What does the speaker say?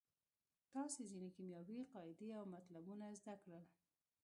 تاسې ځینې کیمیاوي قاعدې او مطلبونه زده کړل.